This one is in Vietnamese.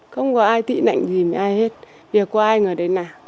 không có ai tị nạnh gì với ai hết việc của ai người đến nào